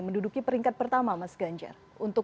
menduduki peringkat pertama mas ganjar untuk